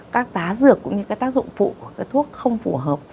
các tá dược cũng như tác dụng phụ của thuốc không phù hợp